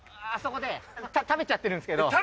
あそこで食べちゃってるんですけど。